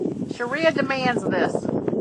Sharia demands this.